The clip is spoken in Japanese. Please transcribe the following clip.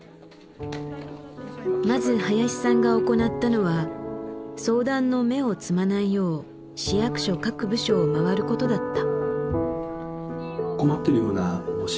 まず林さんが行ったのは相談の芽を摘まないよう市役所各部署をまわることだった。